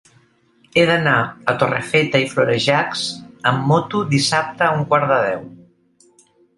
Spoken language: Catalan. He d'anar a Torrefeta i Florejacs amb moto dissabte a un quart de deu.